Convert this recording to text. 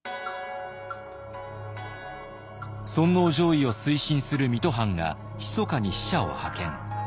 尊皇攘夷を推進する水戸藩がひそかに使者を派遣。